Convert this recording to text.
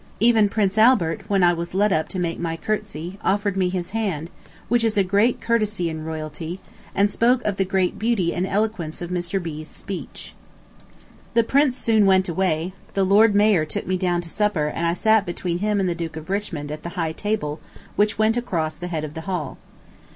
Even Prince Albert, when I was led up to make my curtsey, offered me his hand, which is a great courtesy in royalty, and spoke of the great beauty and eloquence of Mr. B.'s speech. The Prince soon went away: the Lord Mayor took me down to supper and I sat between him and the Duke of Richmond at the high table which went across the head of the hall.